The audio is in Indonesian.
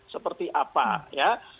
seperti apa ya